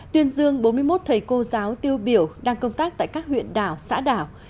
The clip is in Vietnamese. tuyên dương bốn mươi một thầy cô giáo tiêu biểu đang công tác tại các huyện đảo xã đảo